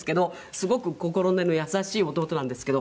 すごく心根の優しい弟なんですけど。